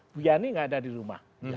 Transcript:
bu yani nggak ada di rumah